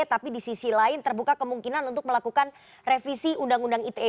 tapi di sisi lain terbuka kemungkinan untuk melakukan revisi undang undang ite